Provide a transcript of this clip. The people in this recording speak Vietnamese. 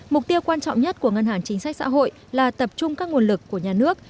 mục tiêu quan trọng nhất của ngân hàng chính sách xã hội là tập trung các nguồn lực của nhà nước